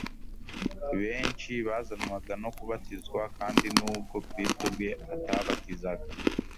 Benshi bazanwaga no kubatizwa, kandi n’ubwo Kristo ubwe atabatizaga,